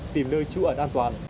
tìm nơi chú ở an toàn